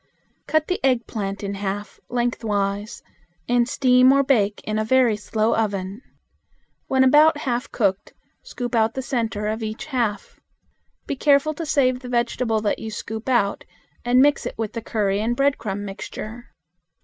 Cut the eggplant in half lengthwise, and steam or bake in a very slow oven. When about half cooked, scoop out the center of about each half. Be careful to save the vegetable that you scoop out and mix it with the curry and breadcrumb mixture.